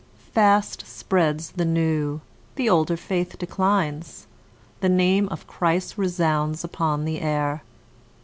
Fast spreads the new; the older faith declines. The name of Christ resounds upon the air.